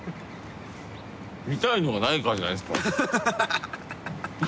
見たいのがないからじゃないですか？